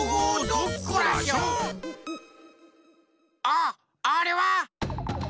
あっあれは！